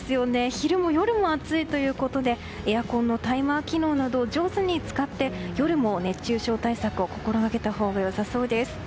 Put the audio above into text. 昼も夜も暑いということでエアコンのタイマー機能などを上手に使って夜も熱中症対策を心掛けたほうがよさそうです。